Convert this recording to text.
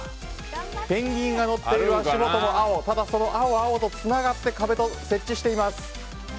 ペンギンが乗っている足元の青ただ、青と青がつながって、壁と設置しています。